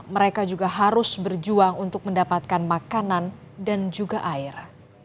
mereka juga harus berjuang untuk mendapatkan makanan dan juga air